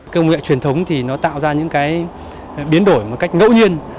công nghệ truyền thống tạo ra những biến đổi một cách ngẫu nhiên